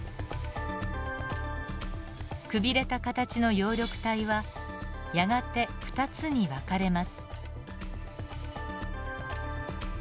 くびれた形の葉緑体はやがて２つに分かれます。